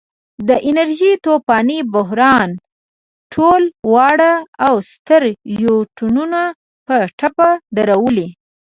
د انرژۍ طوفاني بحران ټول واړه او ستر یونټونه په ټپه درولي.